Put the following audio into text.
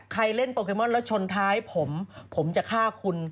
เล่นโปเกมอนแล้วชนท้ายผมผมจะฆ่าคุณ